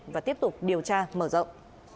và tiếp tục điều tra mở rộng